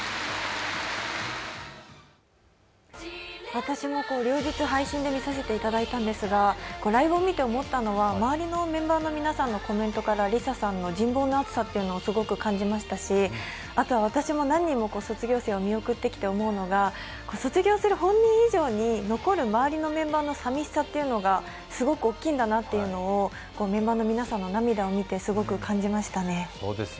私も両日配信で見させていただいたんですが、ライブを見て思ったのが周りのメンバーのコメントから理佐さんの人望の厚さを感じましたし私も何人も卒業生を見送ってきて思うのが、卒業する本人以上に、残る周りのメンバーの寂しさというのがすごく大きいんだなというのをメンバーの皆さんの涙を見てすごく感じましたね。